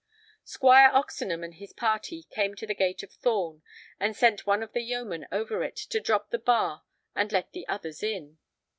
Squire Oxenham and his party came to the gate of Thorn, and sent one of the yeoman over it to drop the bar and let the others in.